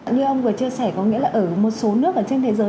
như ông vừa chia sẻ có nghĩa là ở một số nước trên thế giới